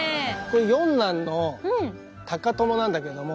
四男の高伴なんだけども。